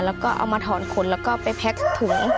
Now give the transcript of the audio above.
แล้วก็เอามาถอนขนไปแพล็กถุง